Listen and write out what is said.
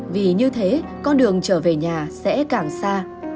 vì như thế con đường trở về nhà sẽ càng xa